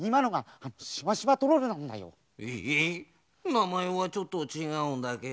なまえはちょっとちがうんだけど